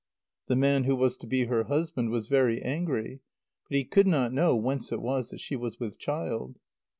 The man who was to be her husband was very angry. But he could not know whence it was that she was with child.